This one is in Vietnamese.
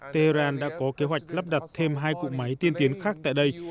tehran đã có kế hoạch lắp đặt thêm hai cụ máy tiên tiến khác tại đây